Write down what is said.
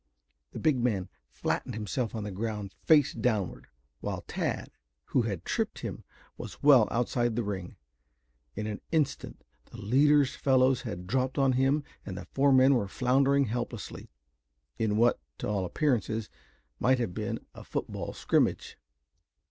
The big man flattened himself on the ground face downward, while Tad, who had tripped him, was well outside the ring. In an instant the leader's fellows had dropped on him and the four men were floundering helplessly, in what, to all appearances, might have been a football scrimmage.